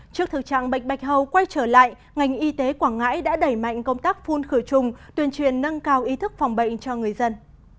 trước thực trạng bệnh bạch hầu quay trở lại ngành y tế quảng ngãi đã đẩy mạnh công tác phun khử trùng tuyên truyền nâng cao ý thức phòng bệnh cho người dân